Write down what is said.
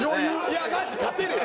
いやマジ勝てるよ！